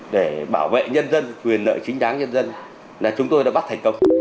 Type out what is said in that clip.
để bảo vệ nhân dân quyền nợ chính đáng nhân dân là chúng tôi đã bắt thành công